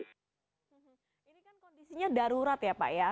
ini kan kondisinya darurat ya pak ya